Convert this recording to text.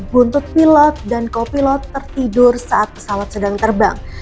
buntut pilot dan kopilot tertidur saat pesawat sedang terbang